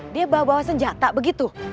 dia bawa bawa senjata begitu